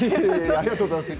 ありがとうございます。